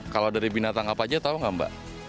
kalau dari binatang apa aja tahu nggak mbak